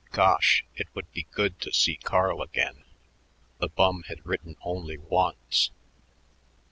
Gosh! it would be good to see Carl again. The bum had written only once.